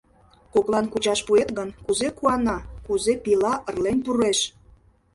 Коклан кучаш пуэт гын, кузе куана, кузе пийла ырлен пуреш.